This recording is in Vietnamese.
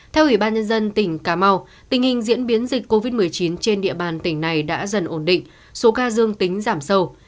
theo ủy ban nhân dân tỉnh cà mau tình hình diễn biến dịch covid một mươi chín trên địa bàn tỉnh này đã dần ổn định số ca dương tính giảm sâu